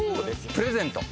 「プレゼント」